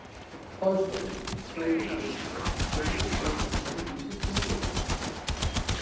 ফলস্বরূপ, সৌদি নাগরিকদের প্রতিবেশী দেশে ভ্রমণ নিষিদ্ধ করেছে।